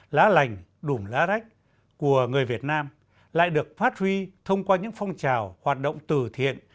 lá lành đùm lá rách của người việt nam lại được phát huy thông qua những phong trào hoạt động từ thiện